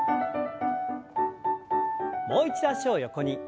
もう一度脚を横に。